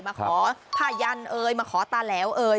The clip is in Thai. มาขอผ้ายันเอ่ยมาขอตาแหลวเอ่ย